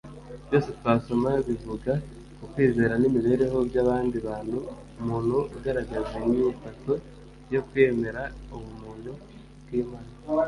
byose twasoma bivuga ku kwizera n’imibereho by’abandi bantu umuntu ugaragaza inyifato yo kwemera ubuntu bw’imana azamera nk’umurima uvomererwa